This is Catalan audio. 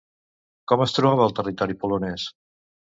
Com es trobava el territori polonès?